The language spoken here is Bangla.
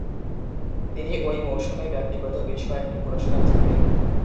তিনি ঐ মৌসুমে ব্যক্তিগত বেশ কয়েকটি পুরস্কার জেতেন।